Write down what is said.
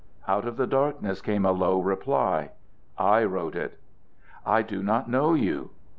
'" Out of the darkness came a low reply: "I wrote it." "I do not know you."